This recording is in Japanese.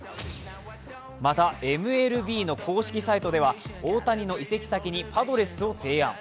また、ＭＬＢの公式サイトでは、大谷の移籍先にパドレスを提案。